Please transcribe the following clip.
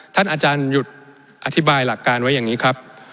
ท่านอาจารย์หยุดอธิบายหลักการไว้อย่างนี้ครับ